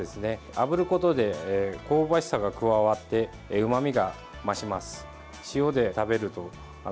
あぶることで香ばしさが加わってうまみが増します。